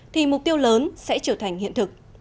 thì mục tiêu lớn sẽ trở thành hiện thực